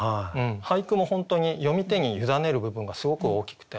俳句も本当に読み手に委ねる部分がすごく大きくて。